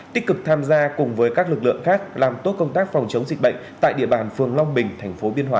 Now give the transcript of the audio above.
tích cực tham gia cùng với các lực lượng khác làm tốt công tác phòng chống dịch bệnh tại địa bàn phường long bình tp biên hòa